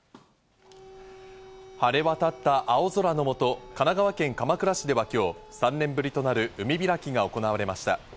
晴れ渡った青空の下、神奈川県鎌倉市では今日、３年ぶりとなる海開きが行われました。